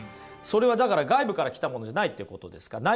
それはだから外部から来たものじゃないってことですか？